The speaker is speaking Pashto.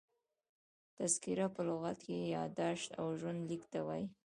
تذکره په لغت کښي یاداشت او ژوند لیک ته وايي.